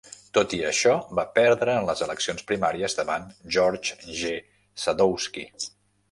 Tot i això, va perdre en les eleccions primàries davant de George G. Sadowski.